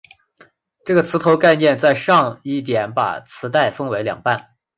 这个磁头概念上在这一点上把磁带分为两半。